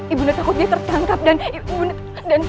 ibu nda takut dia tertangkap dan ibu nda